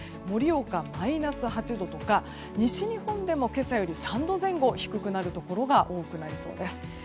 盛岡、マイナス８度とか西日本でも今朝より３度前後低くなるところが多くなりそうです。